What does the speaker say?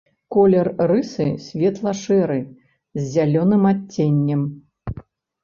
Колер рысы светла-шэры з зялёным адценнем.